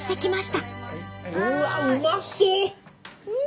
うわっうまそう！